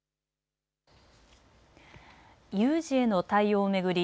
有事への対応を巡り